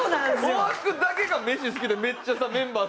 大橋くんだけが飯好きでめっちゃさメンバー